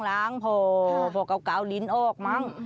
ร้างพบปากเกาลิ้นอ้อกมั้ง